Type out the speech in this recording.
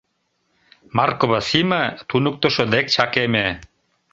— Маркова Сима туныктышо дек чакеме.